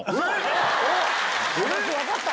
分かった？